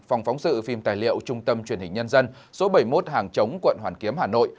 phòng phóng sự phim tài liệu trung tâm truyền hình nhân dân số bảy mươi một hàng chống quận hoàn kiếm hà nội